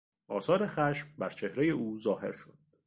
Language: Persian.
آثار خشم بر چهرهی او ظاهر شد.